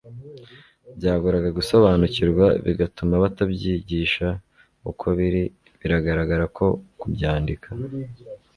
byagoraga gusobanukirwa, bigatuma batabyigisha uko biri. biragaragara ko kubyandika